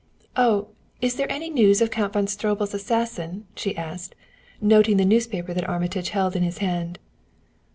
"Oh, is there any news of Count von Stroebel's assassin?" she asked, noting the newspaper that Armitage held in his hand.